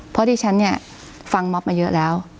เพราะที่ฉันฟังม็อบมาเยอะแล้ว